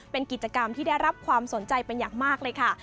เป็นกิจกรรมที่ได้รับความสนใจเป็นอย่างมากเลยค่ะ